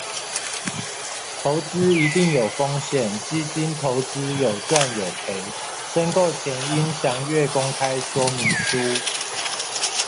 投資一定有風險，基金投資有賺有賠，申購前應詳閱公開說明書。